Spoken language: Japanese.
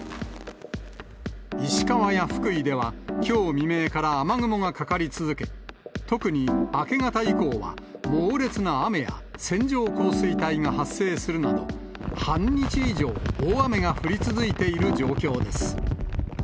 石川や福井ではきょう未明から雨雲がかかり続け、特に明け方以降は猛烈な雨や線状降水帯が発生するなど、半日以上、大雨が降り続いている状況です。